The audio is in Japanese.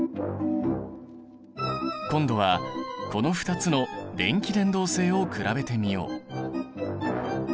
今度はこの２つの電気伝導性を比べてみよう。